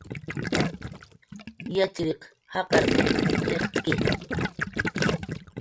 Yatxchiriq jaqar qillq qillqt'ki